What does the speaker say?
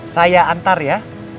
saya antar ya